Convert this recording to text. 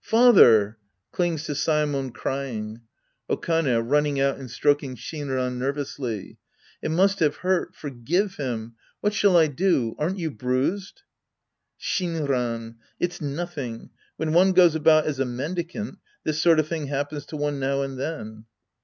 Father! {Clings to Sae mon crying!) Okane {running out and strokingSnmKAyi nervously). It must have hurt. Forgive him. What shall I do ? Aren't you bruised ? Shinran. It's nothing. When one goes about as a mendicant, this sort of thing happens to one now and then.